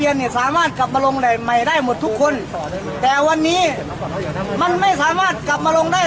นี่นี่ถ่ายแล้วครับนี่นี่ถ่ายแล้วครับนี่นี่ถ่ายแล้วครับ